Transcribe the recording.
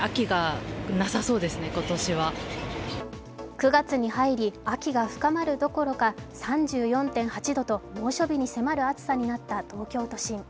９月に入り、秋が深まるどころか３４．８度と猛暑日に迫る暑さとなった東京都心。